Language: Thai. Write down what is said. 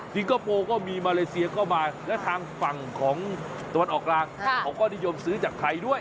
คโปร์ก็มีมาเลเซียก็มาแล้วทางฝั่งของตะวันออกกลางเขาก็นิยมซื้อจากไทยด้วย